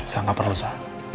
sa gak perlu sa